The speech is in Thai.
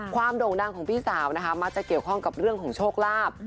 ความโดงดังของพี่สาวจะเกี่ยวข้องกับเรื่องของโชคลาภ